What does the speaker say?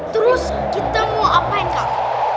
terus kita mau apain kak